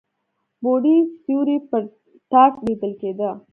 بوډۍ سيوری پر تاټ ليدل کېده.